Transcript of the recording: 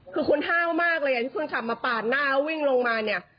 คือคุณห้าวมากเลยคุณขับมาปาดหน้าวิ่งลงมาเนี่ย